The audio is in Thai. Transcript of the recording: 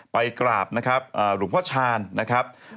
ไปกราบหลวงพระชาญนะครับ